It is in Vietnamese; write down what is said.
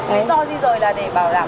lý do di rời là để bảo đảm